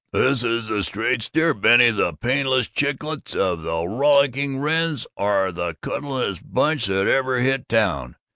This is the straight steer, Benny, the painless chicklets of the Wrollicking Wrens are the cuddlingest bunch that ever hit town.